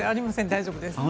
大丈夫です。